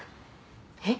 えっ？